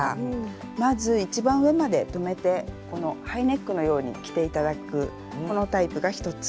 まず一番上まで留めてハイネックのように着て頂くこのタイプが１つ。